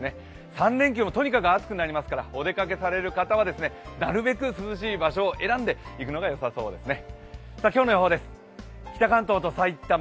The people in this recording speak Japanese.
３連休もとにかく暑くなりますからお出かけされる方はなるべく涼しい場所を選んで行くのがよさそうですね。